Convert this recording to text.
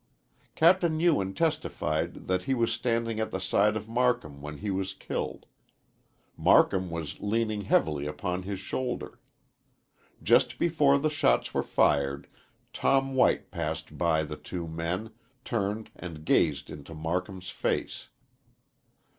Capt. Ewen testified that he was standing at the side of Marcum when he was killed. Marcum was leaning heavily upon his shoulder. Just before the shots were fired Tom White passed by the two men, turned and gazed into Marcum's face.